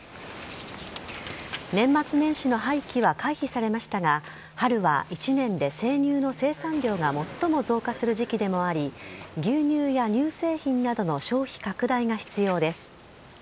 年末年始の廃棄は回避されましたが、春は一年で生乳の生産量が最も増加する時期でもあり、牛乳や乳製品などの消費拡大が必要です。